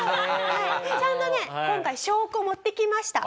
はいちゃんとね今回証拠持ってきました。